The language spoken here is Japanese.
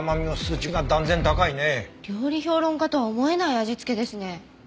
料理評論家とは思えない味付けですね。